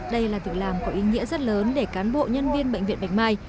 đây là việc làm có ý nghĩa rất lớn để cán bộ nhân viên bệnh viện bạch mai